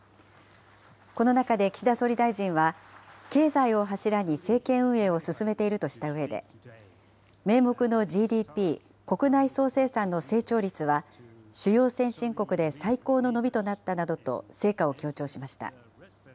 この中で岸田総理大臣は、経済を柱に政権運営を進めているとしたうえで、名目のＧＤＰ・国内総生産の成長率は、主要先進国で最高の伸びとなったなどと成果を強調しました。